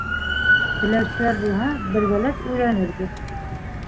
Теләүселәр булһа, бергәләп өйрәнербеҙ.